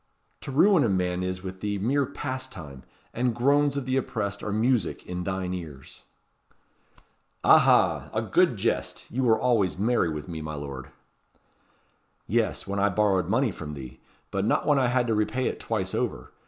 To ruin a man is with thee mere pastime; and groans of the oppressed are music in thine ears." "Aha! a good jest. You were always merry with me, my lord." "Yes, when I borrowed money from thee but not when I had to repay it twice over.